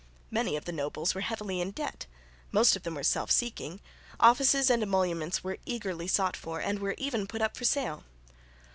Many of the nobles were heavily in debt; most of them were self seeking; offices and emoluments were eagerly sought for, and were even put up for sale.